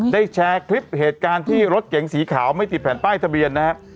แชร์คลิปเหตุการณ์ที่รถเก๋งสีขาวไม่ติดแผ่นป้ายทะเบียนนะครับ